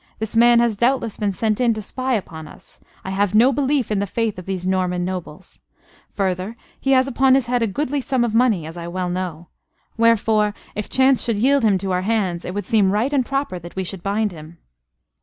This man has doubtless been sent in to spy upon us. I have no belief in the faith of these Norman nobles. Further, he has upon his head a goodly sum of money, as I well know. Wherefore, if chance should yield him to our hands, it would seem right and proper that we should bind him."